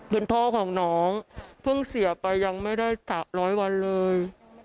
เป็นพ่อของน้องเพิ่งเสียไปยังไม่ได้๓๐๐วันเลย